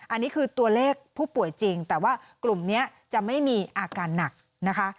อันนี้คือตัวเลขผู้ป่วยจริงแต่ว่ากลุ่มนี้จะไม่มีอาการหนักนะคะ